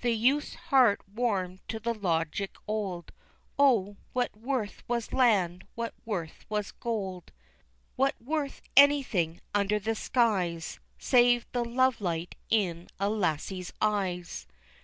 The youth's heart warmed to the logic old O, what worth was land, what worth was gold, What worth anything under the skies Save the lovelight in a lassie's eyes?